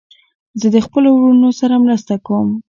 زه د خپلو وروڼو سره مرسته کوم.